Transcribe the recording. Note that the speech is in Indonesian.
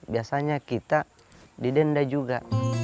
biasanya kita didenda juga